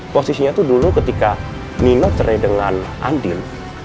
posisinya tuh dulu ketika nino cerai dengan andin